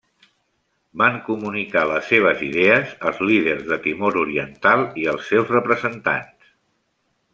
Van comunicar les seves idees als líders de Timor Oriental i els seus representants.